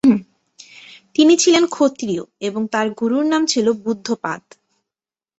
তিনি ছিলেন ক্ষত্রিয় এবং তার গুরুর নাম ছিল বুদ্ধ পাদ।